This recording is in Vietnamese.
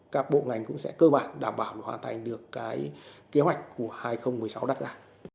các bộ ngành cũng sẽ cơ bản đảm bảo hoàn thành được cái kế hoạch của hai nghìn một mươi sáu đặt ra